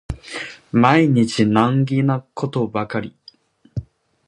毎日難儀なことばかり